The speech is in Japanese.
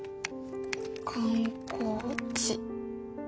観光地。